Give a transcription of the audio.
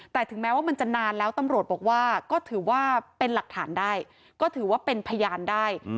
แต่ถึงแม้ว่ามันจะนานแล้วตำรวจบอกว่าก็ถือว่าเป็นหลักฐานได้ก็ถือว่าเป็นพยานได้